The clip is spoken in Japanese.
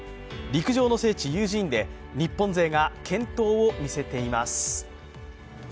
陸上の聖地・ユージーンで日本人が健闘を見せています。